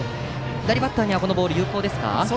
左バッターにはこのボールが有効ですか。